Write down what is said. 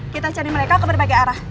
kita cari mereka ke berbagai arah